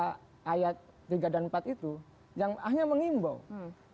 nah ini sesungguhnya ketika kita melihat secara kasat mata sesungguhnya ini juga memberikan kemudahan